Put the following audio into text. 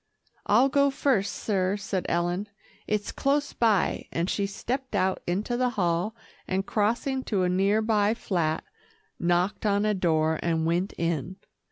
"I'll go first, sir," said Ellen, "it's close by," and she stepped out into the hall, and crossing to a near by flat, knocked on a door and went in.